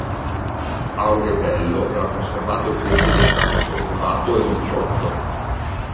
A Orbetello era conservato il teschio del santo, rubato e non più trovato.